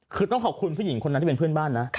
คือต้องขอบคุณผู้หญิงคนนั้นที่เป็นเพื่อนบ้านนะ